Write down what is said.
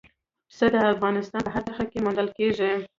پسه د افغانستان په هره برخه کې موندل کېږي.